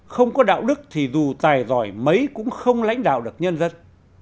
không có đạo đức thì dù tài giỏi mấy cũng không lãnh đạo được nhân dân